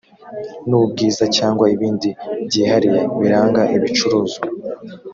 n ubwiza cyangwa ibindi byihariye biranga ibicuruzwa